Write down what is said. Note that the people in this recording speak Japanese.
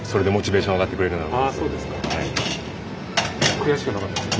悔しくなかったですか？